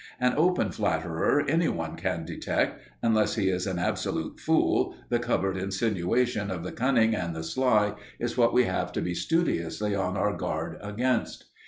An open flatterer any one can detect, unless he is an absolute fool the covert insinuation of the cunning and the sly is what we have to be studiously on our guard against.